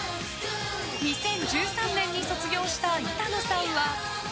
２０１３年に卒業した板野さんは。